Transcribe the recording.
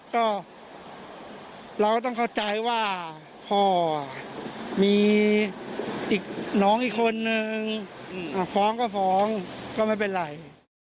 ก็เราก็ต้องเข้าใจว่าพ่อมีอีกน้องอีกคนนึงฟ้องก็ฟ้องก็ไม่เป็นไร